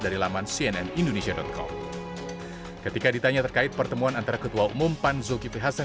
dari laman cnnindonesia com ketika ditanya terkait pertemuan antara ketua umum pan zulkifli hasan